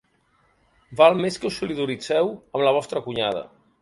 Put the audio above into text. Val més que us solidaritzeu amb la vostra cunyada.